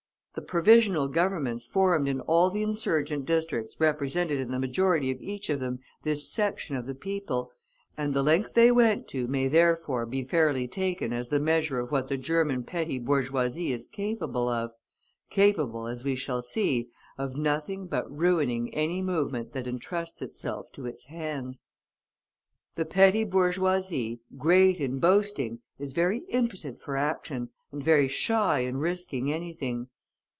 The Provisional Governments formed in all the insurgent districts represented in the majority of each of them this section of the people, and the length they went to may therefore be fairly taken as the measure of what the German petty bourgeoisie is capable of capable, as we shall see, of nothing but ruining any movement that entrusts itself to its hands. The petty bourgeoisie, great in boasting, is very impotent for action, and very shy in risking anything.